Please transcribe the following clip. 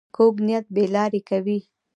کوږ نیت بې لارې کوي